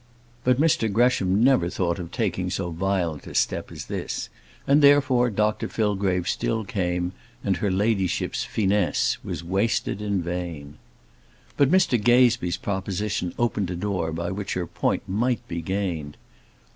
But Mr Gresham never thought of taking so violent a step as this, and, therefore, Dr Fillgrave still came, and her ladyship's finesse was wasted in vain. But Mr Gazebee's proposition opened a door by which her point might be gained.